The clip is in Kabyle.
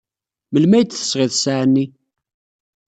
Melmi ay d-tesɣiḍ ssaɛa-nni?